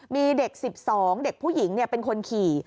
มีเด็ก๑๒เด็กผู้หญิงเป็นคนขี่